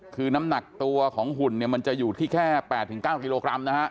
คือน้ำหนักตัวของหุ่นเนี่ยมันจะอยู่ที่แค่๘๙กิโลกรัมนะฮะ